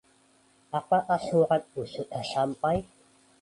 apakah suratku sudah sampai?